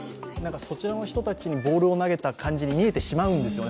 そちらの人たちにボールを投げた感じに見えてしまうんですよね。